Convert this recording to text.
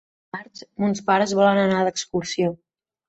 Dimarts mons pares volen anar d'excursió.